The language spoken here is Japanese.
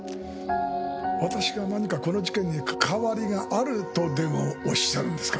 私が何かこの事件に関わりがあるとでもおっしゃるんですか？